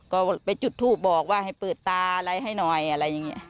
ก็ไปจุดทูปบอกว่าให้เปิดตาอะไรให้หน่อยอะไรอย่างนี้